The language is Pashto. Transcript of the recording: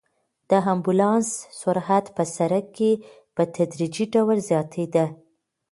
د امبولانس سرعت په سړک کې په تدریجي ډول زیاتېده.